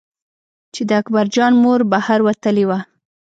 چې د اکبر جان مور بهر وتلې وه.